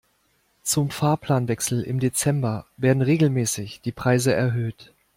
Zum Fahrplanwechsel im Dezember werden regelmäßig die Preise erhöht.